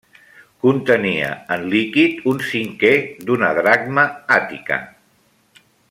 Contenia en líquid un cinquè d'una dracma àtica.